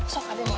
sok aden makan